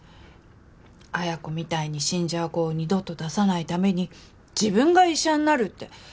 彩子みたいに死んじゃう子を二度と出さないために自分が医者になるって。